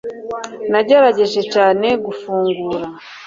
nagerageje cyane gufungura